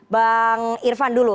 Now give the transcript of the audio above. bang irvan dulu